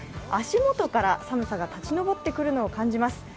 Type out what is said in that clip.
足元から寒さが立ち上ってくるのを感じます。